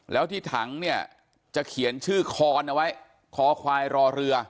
แล้วที่ถังเนี่ยจะเขียนชื่อคอนเอาไว้คอควายรอเรือ